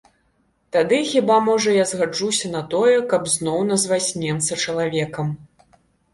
Тады хіба можа я згаджуся на тое, каб зноў назваць немца чалавекам.